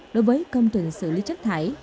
đối với công trình xử lý chấp thải